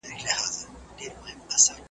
یوه ورځ په ښکار یوازي وم وتلی .